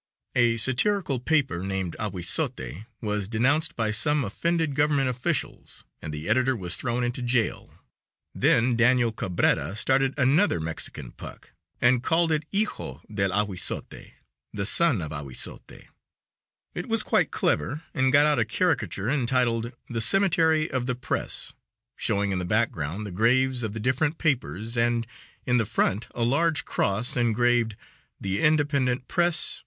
A satirical paper named Ahuizote was denounced by some offended government officials and the editor was thrown into jail. Then Daniel Cabrera started another Mexican Puck and called it Hijo del Ahuizote (the son of Ahuizote). It was quite clever and got out a caricature entitled: "The Cemetery of the Press," showing in the background the graves of the different papers, and in the front a large cross engraved, "The independent Press.